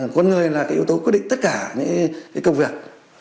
con người là yếu tố quyết định tất cả những công việc